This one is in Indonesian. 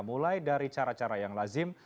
mulai dari cara cara yang lazim